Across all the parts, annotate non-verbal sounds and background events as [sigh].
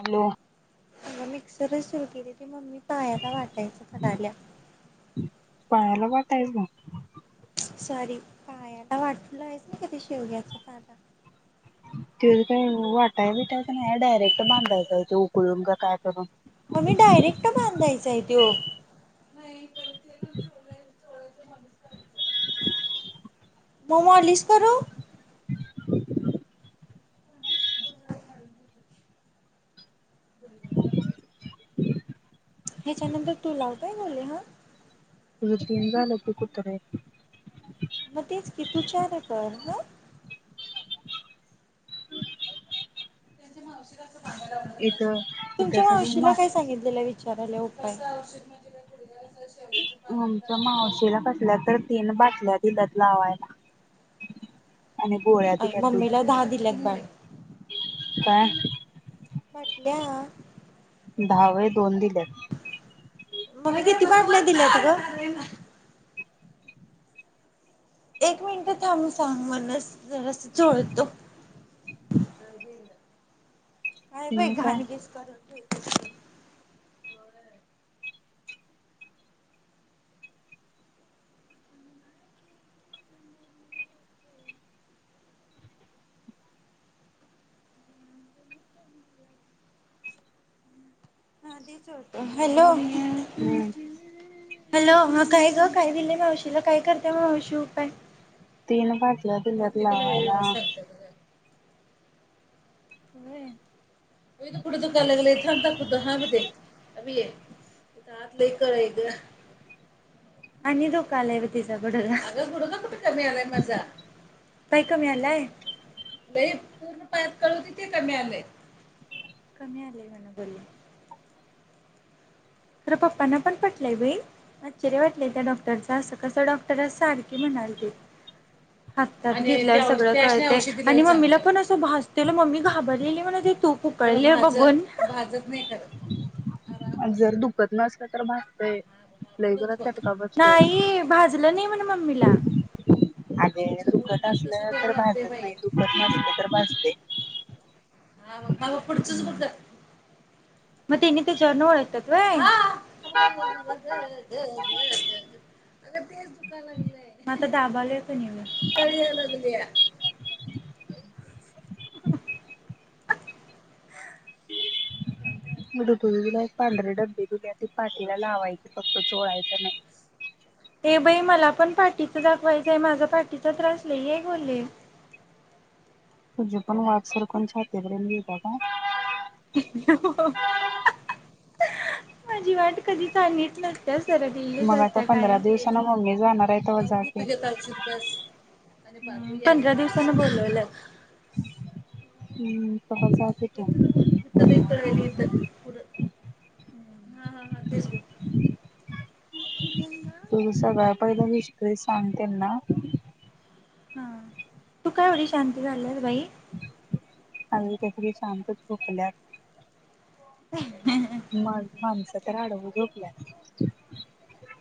Hello. अगं मिक्सरच सुरू के मम्मी पायाला वाटायच त्या काडल्या? पायाला वाटयां आहेस ग? सॉरी पायाला वाटलं आहेस ना कधी शेवघ्याच पाला काही वाटाय विटायचं नाही डायरेक्ट बांधायचा ते उकळून का काय करून मग मी डायरेक्ट [inaudible] [inaudible] म मॉलिश करू? ह्याच्यानंतर तू लाव काय बोले हा? तुज तीन जाल की कुत्रे. मग तेच किती तु चार कर हं. त्यांच्या मावशी इथं इथं तुमच्या सगळी मा मावशीला काय सांगितलेलं वि विचारले उ काय? आमच्या मावशीला कसल्या तर तीन बाटल्या दिल्यात. लावा. अ मम्मीला दहा दिल्यात बाय. काय? म्हटल्या हं दहावे दोन दिलेत. मग किती बाांटल्या दिल्या ग? एक मिनिट थांब सांग म्हणस जरासं चोळतो. नाही बाई तिने काय घाणगीस कर हा ते चोळतो हॅलो. हम्म हॅलो काय ग काय दिलंय मावशीला काय करतेय मावशी उपाय? तीन बाटल्या दिल्यात लावायला. व्हय होयग पुढे दुकाया लागलंय इथता खुद्द हांब ते अभ ये आत लय कळे ग आणि दुख आलाय ब तिचा बडला मिळाला य माजा काय कमी आलंय लय पूर्ण पाया कळ तिथे कमी आलंय कमी आलेय म्हणा बोल. खर पप्पांना पण पटलंय बाई आश्चर्य वाटलंय त्या डॉक्टरच असं कसं डॉक्टर सारखे म्हणाल ते. हाततात सगळं कळत आणि मम्मीला पण असं भाजतेल मम्मी घाबरलेली म्हणते तूप उळलेण भाजत नाही खरं. आराम वाटते पदमासला तर भागतय लई जोरात चटका बसतोय. नाही भाजलं नाही म्हण मम्मीला अगे दुखत असलं तर भाजत नाही, दुखत नसलं तर भाजते. हा मग् पुढचंच बगत्यात म त्यानी त्याच्यावरण ओळखत्यात होय. हात लावू नक ग ग ग ग ग अग तेच दुकाय लागलंय. दाबालेत [unintelligible] कळ यायला लागलीया मी तुला [unintelligible] पांढरे डब्बे दिल्यात ते पाठीला लावायचे फक्त चोळायचे नाही ये बाई, मला पण पाठीचं दाखवायचंय माझा पाठीचा त्रास लई आय बोलले जे पण [unintelligible] घेता का हहह हो माझी वाट कधी सांगीत नात्यात सरकलेल्या मग आता असत्यात पंधरा कायम दिवसान मम्मी जाणार आहे तवा लावून जा की. घेतोय औषध बसहम बस पंधरा दिवसाांन बोलवलय हम्म तवा जा की [unintelligible] तू. इथं लई पाळायली इथं पुढ हा हा हा फिर ग घ तु जी सगळ्या पहिल हिस्ट्री सांग तेंना हा तू का येवढी शांत झाल्यास बाई? आज ही काय सगळी शांत झोपल्यात मग माणसं तर आडव झोपल्यात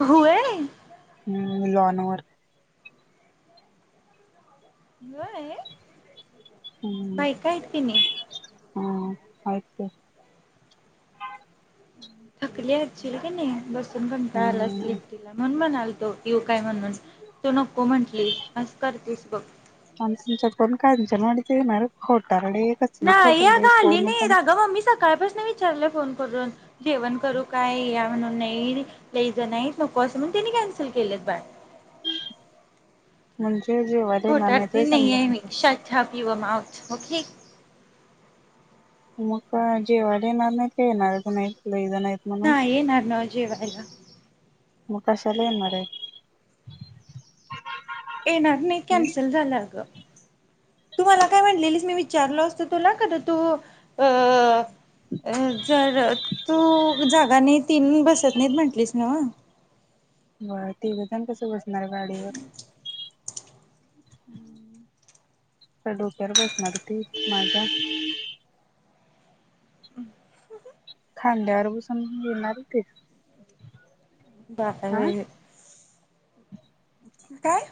व्हय हम लॉनवर व्हय हम्म बायका इत की नाही हा हायत की थकली असचिल की नाही बसू तुमी कंटाळा आलं असलं हम्म. एकटीला म्हणून म्हणाल यु काय म्हणून तू नको म्हंटलीस असं करतीस बघ? पन तुमच्यात कोण काय? [unintelligible] नाही अग आली नाही अग मम्मी सकाळपसन विचाराल्या फोन करून जेवण करू काय? या म्हणून नाही लय जण हायत नको असं म्हणून त्यांनी कॅन्सल केलेत बाळ म्हणजे? जेवायला येणार नाहीत खोटारडी व्हय संध्या नाहीये मी? शट आप युअर माऊथ होकी मग काय, जेवायला येणार नाहीत, का येणारच नाहीत माहीत नाही. नाई, येणार न्हव जेवायला. म कशाला येणाररेत? येणार नाही, कॅन्सल झाल अगं! तू मला काय म्हटलेलीस? मी विचारलो असतो तुला कधी तू अ - अ जर- तू जागा नाही, तीन बसत नाहीत म्हटलीस ना? अ तेवढेजण कसे बसत- माझ्या गाडीवर. डोक्यावर बसणार ते माझ्या? खांद्यावर बसून येणार ए ते? बा [unintelligible] काय?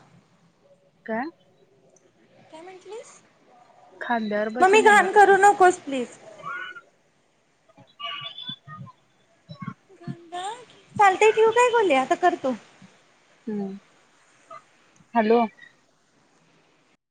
कायं? काय म्हटलीस? खांद्यावर ममी बसून घाण येणार होती करू नकोस, प्लीज. हो, हं, हॅलो.